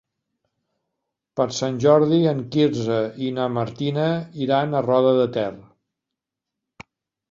Per Sant Jordi en Quirze i na Martina iran a Roda de Ter.